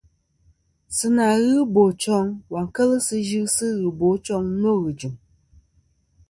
Sɨ nà ghɨ bòchoŋ và kel sɨ yɨsɨ ghɨbochoŋ nô ghɨ̀jɨ̀m.